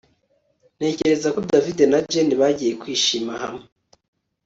Ntekereza ko David na Jane bagiye kwishima hamwe